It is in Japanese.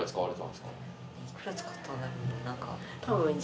いくら使ったんだろう？